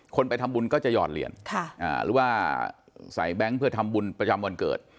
ไปทำบุญก็จะหอดเหรียญหรือว่าใส่แบงค์เพื่อทำบุญประจำวันเกิด